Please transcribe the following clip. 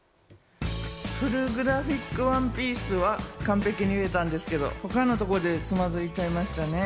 フルグラフィックワンピースは完璧に言えたんですけど、他のところでつまづいちゃいましたね。